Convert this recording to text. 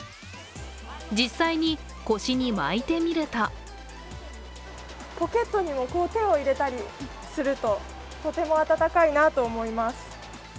実際に腰に巻いてみるとポケットにも手を入れたりするととても暖かいなと思います。